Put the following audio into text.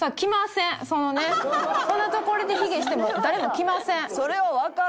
そのねこんなところで卑下しても誰も来ません。